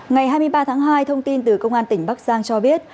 ngày hai mươi ba tháng hai thông tin từ công an tỉnh bắc giang cho biết